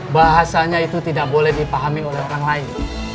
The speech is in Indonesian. bahasanya itu tidak boleh dipahami oleh orang lain